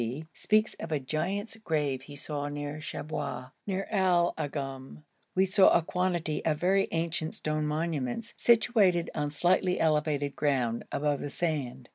d., speaks of a giant's grave he saw near Shabwa. Near Al Agoum we saw a quantity of very ancient stone monuments, situated on slightly elevated ground, above the sand.